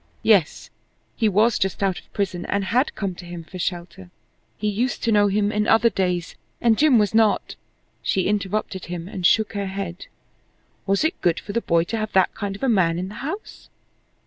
Yes! he was just out of prison and had come to him for shelter. He used to know him in other days, and Jim was not She interrupted him and shook her head. Was it good for the boy to have that kind of a man in the house?